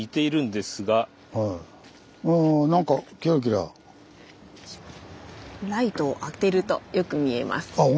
ライトを当てるとよく見えます。